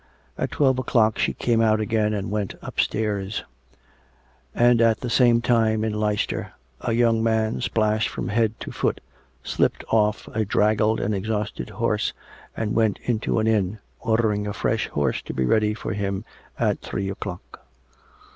At twelve o'clock she came out again and went upstairs, and at the same time, in Leicester, a young man, splashed from head to foot, slipped off a draggled and exhausted horse and went into an inn, ordering a fresh horse to be ready for him at three o'clock.